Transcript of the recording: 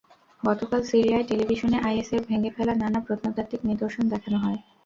গতকাল সিরিয়ার টেলিভিশনে আইএসের ভেঙে ফেলা নানা প্রত্নতাত্ত্বিক নিদর্শন দেখানো হয়।